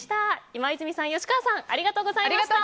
今泉さん、吉川さんありがとうございました。